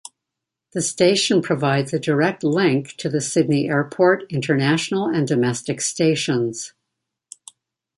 The station provides a direct link to the Sydney Airport international and domestic stations.